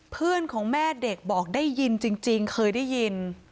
เพื่อนของแม่เด็กบอกได้ยินจริงเคยได้ยิน